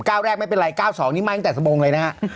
ก้าวแรกไม่เป็นไรก้าวสองนี้มาตั้งแต่สมงเลยนะครับ